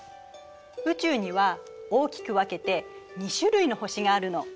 宇宙には大きく分けて２種類の星があるの。